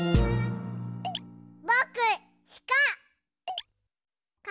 ぼくしか！